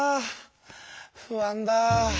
不安だ！